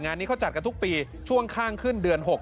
นี้เขาจัดกันทุกปีช่วงข้างขึ้นเดือน๖